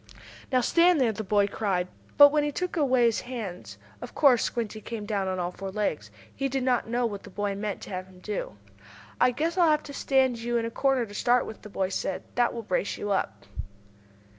"Now stand there!" the boy cried, but when he took away his hands of course Squinty came down on all four legs. He did not know what the boy meant to have him do. "I guess I'll have to stand you in a corner to start with," the boy said. "That will brace you up."